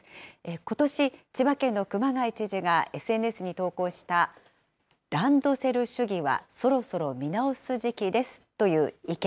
ことし、千葉県の熊谷知事がＳＮＳに投稿した、ランドセル主義はそろそろ見直す時期ですという意見。